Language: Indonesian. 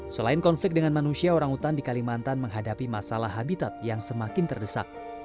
selain konflik dengan manusia orang utan di kalimantan menghadapi masalah habitat yang semakin terdesak